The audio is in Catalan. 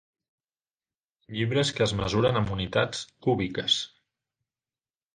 Llibres que es mesuren amb unitats cúbiques.